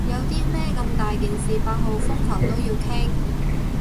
有啲咩咁大件事八號風球都要傾？